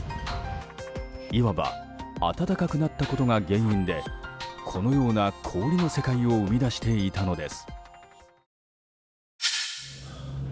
いわば暖かくなったことが原因でこのような氷の世界を生み出していたのです。